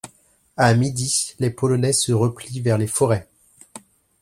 À midi, les Polonais se replient vers les forêts.